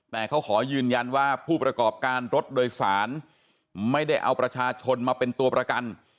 แต่เขาขอยืนยันว่าผู้ประกอบการรถโดยสารไม่ได้เอาประชาชนมาเป็นตัวประกัน